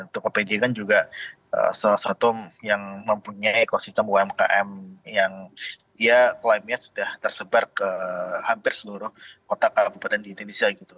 tokopedia kan juga salah satu yang mempunyai ekosistem umkm yang dia klaimnya sudah tersebar ke hampir seluruh kota kabupaten di indonesia gitu